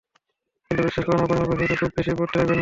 কিন্তু বিশ্বাস করুন আপনি এমন পরিস্থিতিতে খুব বেশি পড়তে চাইবেন না।